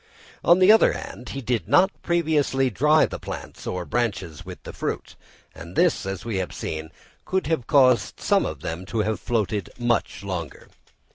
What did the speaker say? On the other hand, he did not previously dry the plants or branches with the fruit; and this, as we have seen, would have caused some of them to have floated much longer.